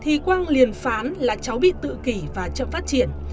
thì quang liền phán là cháu bị tự kỷ và chậm phát triển